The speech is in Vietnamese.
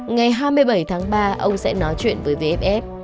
ngày hai mươi bảy tháng ba ông sẽ nói chuyện với vff